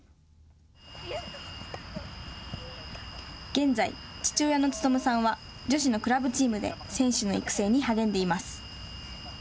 現在父親の努さんは女子のクラブチームで選手の育成に励んでいます。